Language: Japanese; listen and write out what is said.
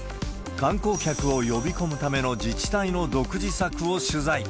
観光客を呼び込むための自治体の独自策を取材。